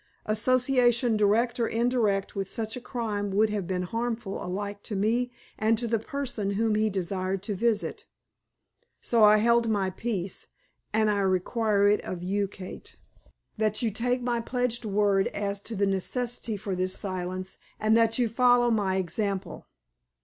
Association direct or indirect with such a crime would have been harmful alike to me and to the person whom he desired to visit. So I held my peace, and I require of you, Kate, that you take my pledged word as to the necessity for this silence, and that you follow my example.